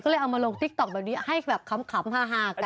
ก็เลยเอามาลงติ๊กต๊อกแบบนี้ให้แบบขำฮากัน